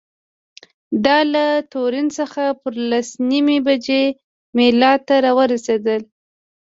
دا له تورین څخه پر لس نیمې بجې میلان ته رارسېده.